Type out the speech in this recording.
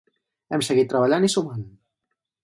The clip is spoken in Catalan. Hem seguit treballant i sumant.